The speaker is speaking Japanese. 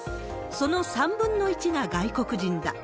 その３分の１が外国人だ。